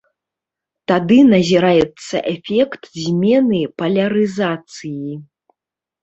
Тады назіраецца эфект змены палярызацыі.